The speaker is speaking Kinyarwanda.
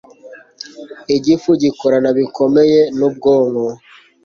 Igifu gikorana bikomeye nubwonko